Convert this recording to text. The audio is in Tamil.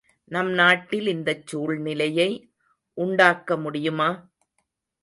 நம் நாட்டில் இந்தச் சூழ்நிலையை உண்டாக்க முடியுமா?